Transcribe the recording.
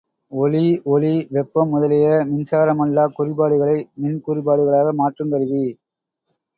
ஒலி, ஒளி, வெப்பம் முதலிய மின்சாரமல்லாக் குறிபாடுகளை மின்குறிபாடுகளாக மாற்றுங் கருவி.